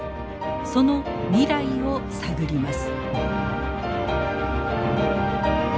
その未来を探ります。